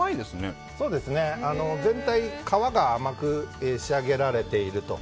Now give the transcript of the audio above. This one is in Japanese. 全体、皮が甘く仕上げられていると。